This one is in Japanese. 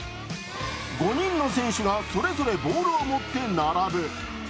５人の選手がそれぞれボールを持って並ぶ。